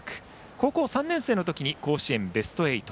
高校３年生の時に甲子園ベスト８。